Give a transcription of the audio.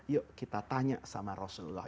yuk kita tanya sama rasulullah